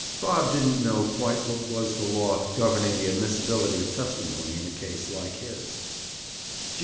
Bob didn't know quite what was the law governing the admissibility of testimony in a case like his.